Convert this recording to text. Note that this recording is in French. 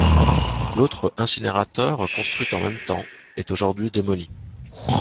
L'autre incinérateur construit en même temps est aujourd'hui démoli.